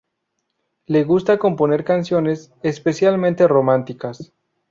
Le gusta componer canciones, especialmente románticas.